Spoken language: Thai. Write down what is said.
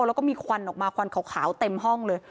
แล้วก็มีควันออกมาควันขาวเต็มห้องเลย